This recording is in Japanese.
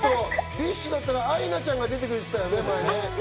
ＢｉＳＨだったら前、アイナちゃんが出てくれてたよね。